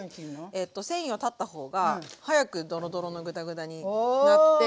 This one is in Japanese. えっと繊維を断った方が早くドロドロのグダグダになって。